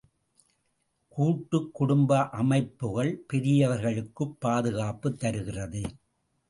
கூட்டுக் குடும்ப அமைப்புகள் பெரியவர்களுக்குப் பாதுகாப்புத் தருகிறது.